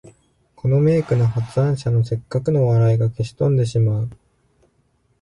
この名句の発案者の折角の笑いが消し飛んでしまう